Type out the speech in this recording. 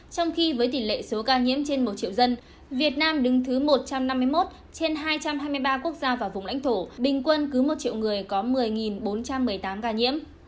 trong khi với tỷ lệ số ca nhiễm trên một triệu dân việt nam đứng thứ một trăm năm mươi một trên hai trăm hai mươi ba quốc gia và vùng lãnh thổ bình quân cứ một triệu người có một mươi bốn trăm một mươi tám ca nhiễm